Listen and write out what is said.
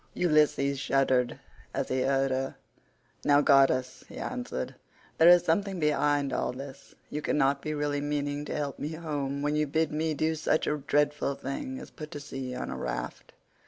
Ulysses shuddered as he heard her. "Now goddess," he answered, "there is something behind all this; you cannot be really meaning to help me home when you bid me do such a dreadful thing as put to sea on a raft.